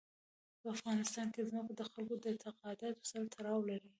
په افغانستان کې ځمکه د خلکو د اعتقاداتو سره تړاو لري.